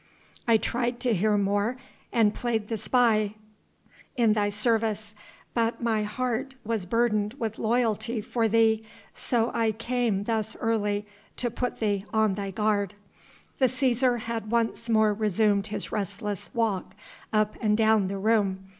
I tried to hear more and played the spy in thy service, but my heart was burdened with loyalty for thee, so I came thus early to put thee on thy guard." The Cæsar had once more resumed his restless walk up and down the room.